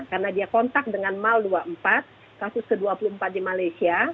karena dia kontak dengan mal dua puluh empat kasus ke dua puluh empat di malaysia